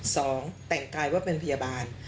สองแต่งกายว่าเป็นพยาบาล